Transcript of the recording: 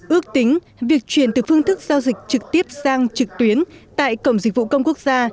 ước tính việc chuyển từ phương thức giao dịch trực tiếp sang trực tuyến tại cổng dịch vụ công quốc gia